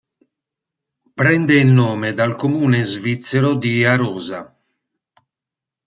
Prende il nome dal comune svizzero di Arosa.